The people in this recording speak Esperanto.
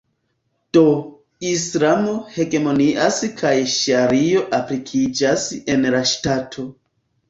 Do, Islamo hegemonias kaj Ŝario aplikiĝas en la ŝtato.